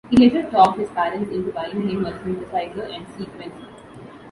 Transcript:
He later talked his parents into buying him a synthesizer and sequencer.